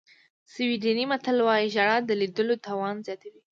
سویډني متل وایي ژړا د لیدلو توان زیاتوي.